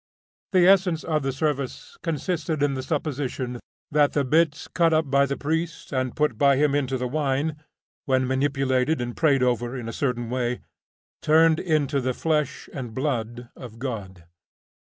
The essence of the service consisted in the supposition that the bits cut up by the priest and put by him into the wine, when manipulated and prayed over in a certain way, turned into the flesh and blood of God.